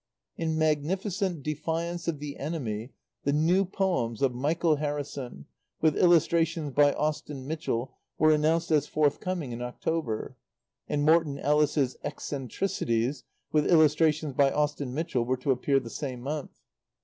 In magnificent defiance of the enemy, the "New Poems" of Michael Harrison, with illustrations by Austin Mitchell, were announced as forthcoming in October; and Morton Ellis's "Eccentricities," with illustrations by Austin Mitchell, were to appear the same month.